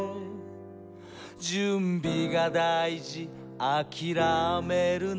「準備がだいじあきらめるな」